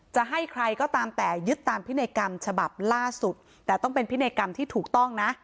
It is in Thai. จะให้ใครก็ตามแต่ยึดตามพินัยกรรมฉบับล่าสุดแต่ต้องเป็นพินัยกรรมที่ถูกต้องนะ